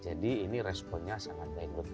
jadi ini responnya sangat baik